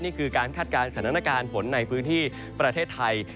นี่คือการคาดการณ์สถานการณ์ฝนในพื้นที่ประเทศไทย